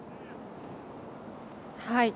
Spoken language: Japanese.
はい。